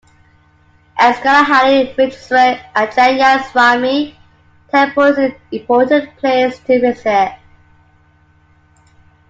S. Gollahalli Village Sri Anjaneya Swami temple is an important place to visit.